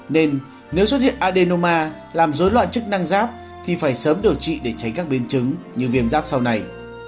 nên nếu xuất hiện adenoma làm dối loạn chức năng giáp thì phải sớm điều trị để tránh các biến chứng như viêm giáp sau này